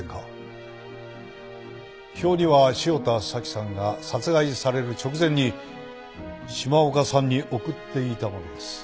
表２は汐田早紀さんが殺害される直前に島岡さんに送っていたものです。